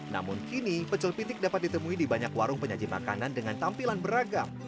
namun kini pecel pitik dapat ditemui di banyak warung penyaji makanan dengan tampilan beragam